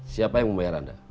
siapa yang membayar anda